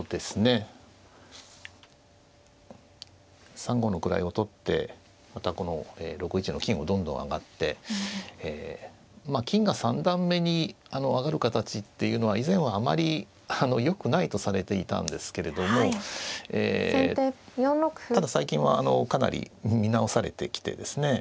３五の位を取ってまたこの６一の金をどんどん上がってまあ金が三段目に上がる形っていうのは以前はあまりよくないとされていたんですけれどもええただ最近はかなり見直されてきてですね